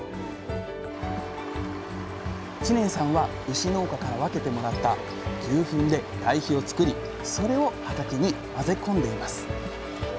知念さんは牛農家から分けてもらった牛ふんで堆肥を作りそれを畑に混ぜ込んでいます。